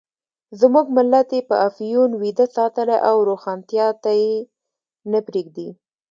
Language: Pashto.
زموږ ملت یې په افیون ویده ساتلی او روښانتیا ته یې نه پرېږدي.